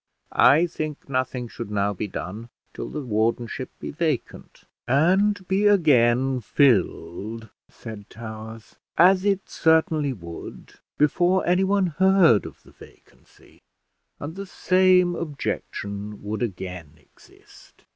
"I think nothing should now be done till the wardenship be vacant." "And be again filled," said Towers, "as it certainly would, before anyone heard of the vacancy; and the same objection would again exist.